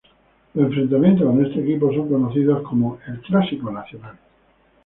Los enfrentamientos con este equipo son conocidos como "el clásico nacional".